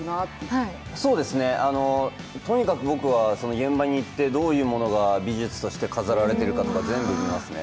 とにかく僕は現場に行ってどういうものが美術として飾られているか全部見ますね。